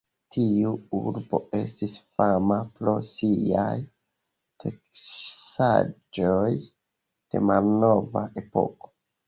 Tiu urbo estis fama pro siaj teksaĵoj de malnova epoko.